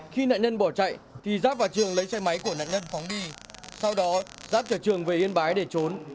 khi nạn nhân bỏ chạy thì giáp vào trường lấy xe máy của nạn nhân phóng đi sau đó giáp trở trường về yên bái để trốn